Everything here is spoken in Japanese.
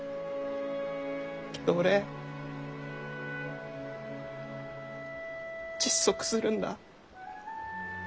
けど俺窒息するんだ。